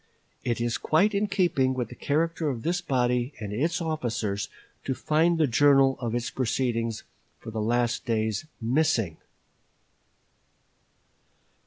It is quite in keeping with the character of this body and its officers to find the journal of its proceedings for the last days missing."